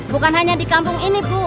bukan hanya di kampung ini bu